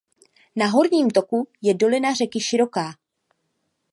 Na horním toku je dolina řeky široká.